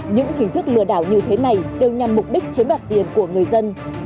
những hình thức lừa đảo như thế này đều nhằm mục đích chiếm đoạt tiền của người dân